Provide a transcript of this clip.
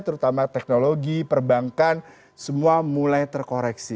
terutama teknologi perbankan semua mulai terkoreksi